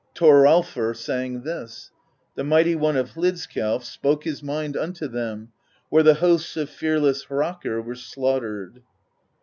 Thoralfr sang this: The Mighty One of Hlidskjalf Spake his mind unto them Where the hosts of fearless Harekr were slaughtered.